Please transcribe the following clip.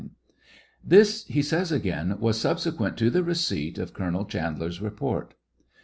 This," he says again, " was subsequent to the receipt of Colonel Chandler's report."